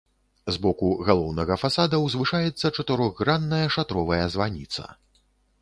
З боку галоўнага фасада ўзвышаецца чатырохгранная шатровая званіца.